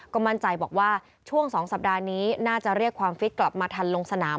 ก็มั่นใจบอกว่าช่วง๒สัปดาห์นี้น่าจะเรียกความฟิตกลับมาทันลงสนาม